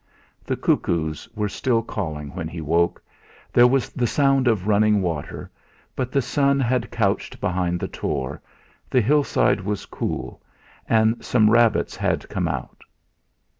The cuckoos were still calling when he woke, there was the sound of running water; but the sun had couched behind the tor, the hillside was cool, and some rabbits had come out.